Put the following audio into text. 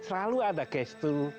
selalu ada gestur